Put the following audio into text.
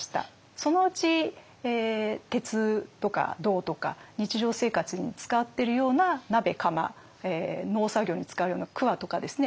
そのうち鉄とか銅とか日常生活に使ってるような鍋釜農作業に使うようなくわとかですね